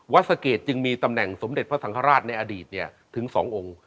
สะเกดจึงมีตำแหน่งสมเด็จพระสังฆราชในอดีตถึง๒องค์